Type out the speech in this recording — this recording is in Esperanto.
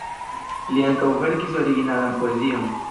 Li ankaŭ verkis originalan poezion.